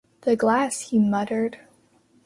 "The glass," he muttered.